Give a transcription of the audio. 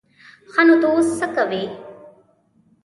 ښه نو ته اوس څه کوې؟